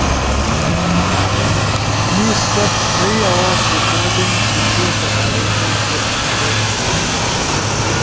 لیس ست تھئی آواز ریکارڈنگ شیِشو سپارونو ست مدد بی نی